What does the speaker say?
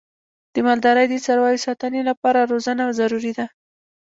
د مالدارۍ د څارویو د ساتنې لپاره روزنه ضروري ده.